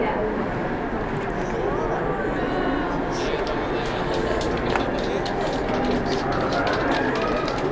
ありがとうございますいやすごい！